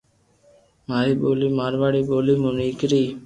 ماري ٻولي مارواڙي ٻولي مون نيڪري